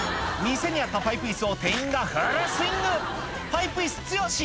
店にあったパイプイスを店員がフルスイングパイプイス強し！